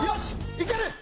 いける！